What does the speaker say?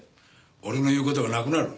俺の言う事がなくなる。